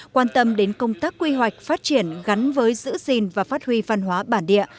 quan tâm đến công tác quy hoạch phát triển gắn với giữ gìn và phát huy văn hóa bản địa